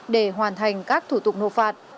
để hoàn thành các thủ tục nộp phạt